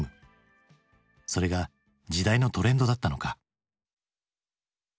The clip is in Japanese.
それが時代のトレンドだったのか。